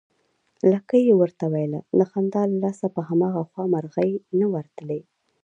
لکۍ يې ورته ويله، د خندا له لاسه په هماغه خوا مرغۍ نه ورتلې